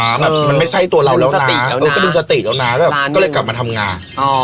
แบบมันไม่ใช่ตัวเราแล้วสติก็ดึงสติแล้วนะแบบก็เลยกลับมาทำงาน